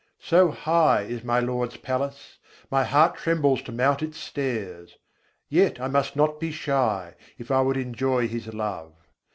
So high is my Lord's palace, my heart trembles to mount its stairs: yet I must not be shy, if I would enjoy His love.